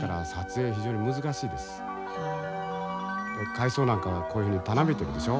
海草なんかはこういうふうにたなびいてるでしょう。